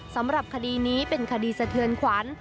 สำหรับคดีนี้เป็นคดีสะเทือนขวัญ